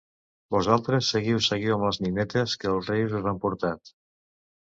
Vosaltres, seguiu, seguiu amb les ninetes que els reis us han portat!